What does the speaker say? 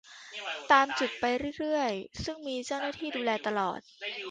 ตามจุดไปเรื่อยเรื่อย ซึ่งมีเจ้าหน้าที่ดูแลตลอด